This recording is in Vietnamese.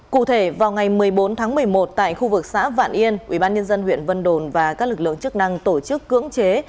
cụ thể vào ngày một mươi bốn tháng một mươi một tại khu vực xã vạn yên ubnd huyện vân đồn và các lực lượng chức năng tổ chức cưỡng chế